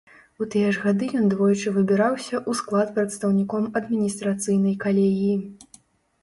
У тыя ж гады ён двойчы выбіраўся ў склад прадстаўніком адміністрацыйнай калегіі.